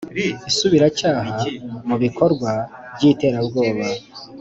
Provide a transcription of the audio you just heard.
Isubiracyaha ku bikorwa by’iterabwoba